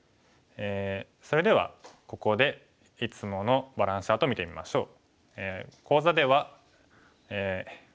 それではここでいつものバランスチャートを見てみましょう。